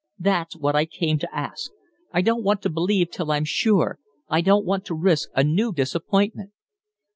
That's what I came to ask. I don't want to believe till I'm sure; I don't want to risk a new disappointment."